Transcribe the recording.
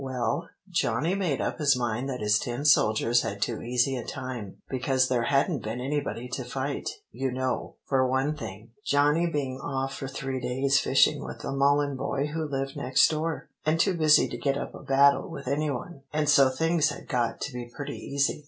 "Well, Johnny made up his mind that his tin soldiers had too easy a time, because there hadn't been anybody to fight, you know, for one thing, Johnny being off for three days fishing with the Mullen boy who lived next door, and too busy to get up a battle with any one; and so things had got to be pretty easy.